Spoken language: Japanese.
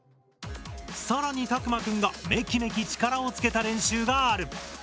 更にたくまくんがめきめき力をつけた練習がある。